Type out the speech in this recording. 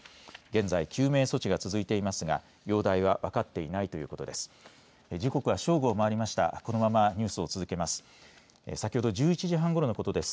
現在救命措置が続いていますが容体は分かっていないということです。